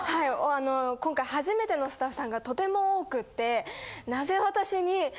今回初めてのスタッフさんがとても多くて。